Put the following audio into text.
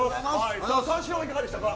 三四郎、いかがでしたか。